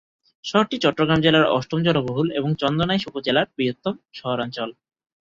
শহরটি চট্টগ্রাম জেলার অষ্টম জনবহুল এবং চন্দনাইশ উপজেলার বৃহত্তম শহরাঞ্চল।